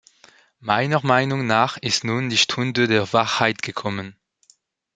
Meiner Meinung nach ist nun die Stunde der Wahrheit gekommen.